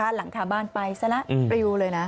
หลังคาบ้านไปซะละปริวเลยนะ